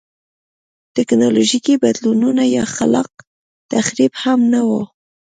ټکنالوژیکي بدلونونه یا خلاق تخریب هم نه و.